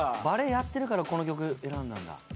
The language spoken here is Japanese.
バレエやってるからこの曲選んだんだ。